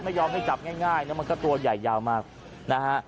ไม่ยอมให้จับง่ายนะมันก็ตัวใหญ่ยาวมากนะฮะ